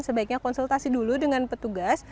sebaiknya konsultasi dulu dengan petugas